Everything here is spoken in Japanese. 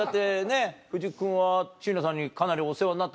藤木君は椎名さんにかなりお世話になったんでしょ？